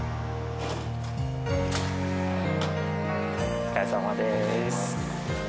お疲れさまです。